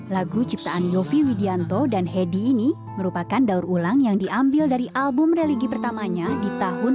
lagu ciptaan yofi widianto dan hedi ini merupakan daur ulang yang diambil dari album religi pertamanya di tahun dua ribu